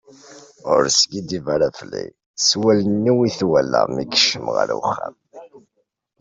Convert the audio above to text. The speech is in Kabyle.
Ur skiddib ara felli, s wallen-iw i t-walaɣ mi yekcem ɣer uxxam.